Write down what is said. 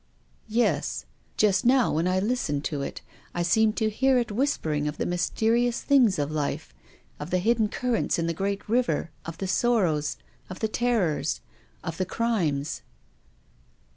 " Yes. Just now when I listened to it, I seemed to hear it whispering of the mysterious things of life, of the hidden currents in the great river, of the sorrows, of the terrors, of the crimes."